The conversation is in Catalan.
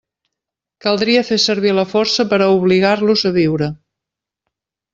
Caldria fer servir la força per a obligar-los a viure.